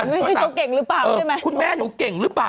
ไม่ใช่เขาเก่งหรือเปล่าใช่ไหมคุณแม่หนูเก่งหรือเปล่า